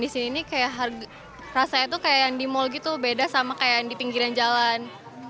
di sini rasanya seperti yang di mal beda dengan di pinggiran jalan